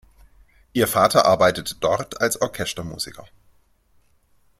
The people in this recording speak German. Ihr Vater arbeitete dort als Orchestermusiker.